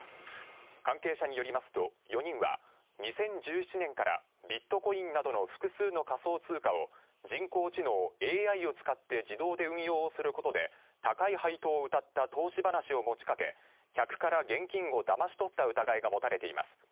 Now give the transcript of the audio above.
関係者によりますと、４人は２０１７年からビットコインなどの複数の仮想通貨を人工知能・ＡＩを使って自動で運用をすることで高い配当をうたった投資話を持ちかけ客から現金をだまし取った疑いが持たれています。